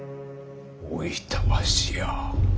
おいたわしや。